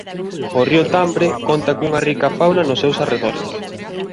O río Tambre conta cunha rica fauna nos seus arredores.